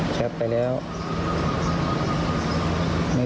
ยังอยู่เยอะ